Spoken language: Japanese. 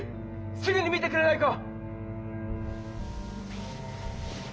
すぐに診てくれないか？